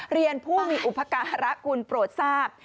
เรียนผู้มีอุปการะกุลโปรดทราบ